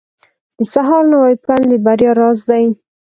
• د سهار نوی پیل د بریا راز دی.